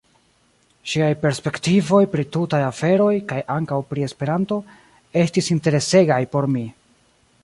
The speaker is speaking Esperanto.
Ŝiaj perspektivoj pri tutaj aferoj, kaj ankaŭ pri Esperanto, estis interesegaj por mi.